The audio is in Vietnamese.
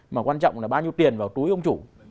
mà quan trọng là bao nhiêu tiền vào túi ông chủ